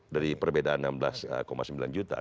dari perbedaan enam belas sembilan juta